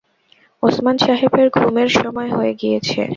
ওসমান সাহেবের ঘুমের সময় হয়ে গিয়েছে।